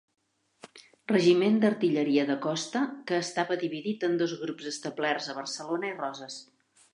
Regiment d'Artilleria de Costa que estava dividit en dos grups establerts a Barcelona i Roses.